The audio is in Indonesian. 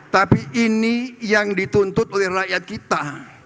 tapi ini yang dituntut oleh rakyat kita